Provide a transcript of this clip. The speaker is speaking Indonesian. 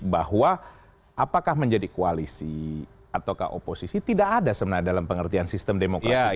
bahwa apakah menjadi koalisi atau oposisi tidak ada sebenarnya dalam pengertian sistem demokrasi